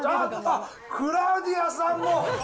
クラウディアさんも。